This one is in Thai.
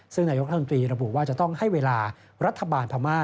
ซึ่งนายกรัฐมนตรีระบุว่าจะต้องให้เวลารัฐบาลพม่า